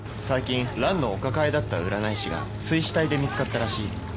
最近ランのお抱えだった占い師が水死体で見つかったらしい。